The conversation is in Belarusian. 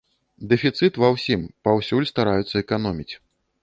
Дэфіцыт ва ўсім, паўсюль стараюцца эканоміць.